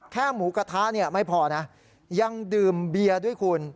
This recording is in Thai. หมูกระทะเนี่ยไม่พอนะยังดื่มเบียร์ด้วยคุณ